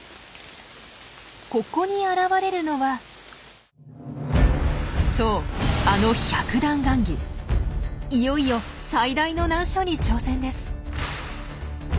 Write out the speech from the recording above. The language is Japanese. ここに現れるのはそうあのいよいよ最大の難所に挑戦です。